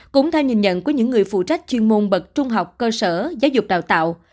cũng theo nhìn nhận của những người phụ trách chuyên môn bậc trung học cơ sở giáo dục đào tạo